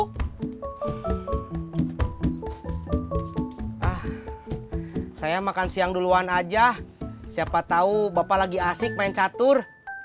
hai ah saya makan siang duluan aja siapa tahu bapak lagi asyik main catur